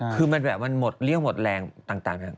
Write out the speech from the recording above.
คือมันแบบมันหมดเลี่ยวหมดแรงต่างเนี่ย